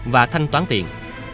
và thanh toán tiền